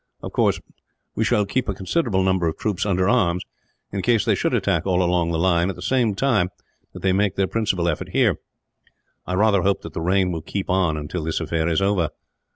Of course, we shall keep a considerable number of troops under arms, in case they should attack all along the line, at the same time that they make their principal effort here. "I rather hope that the rain will keep on, until this affair is over."